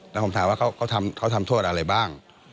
แล้วผมถามว่าเขาทำโทษอะไรบ้าง